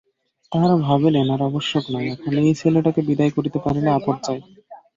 তাঁহারা ভাবিলেন, আর আবশ্যক নাই, এখন এই ছেলেটাকে বিদায় করিতে পারিলে আপদ যায়।